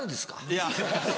いや。